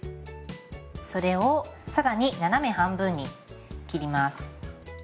それを更に斜め半分に切ります。